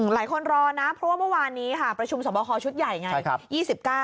รอนะเพราะว่าเมื่อวานนี้ค่ะประชุมสอบคอชุดใหญ่ไง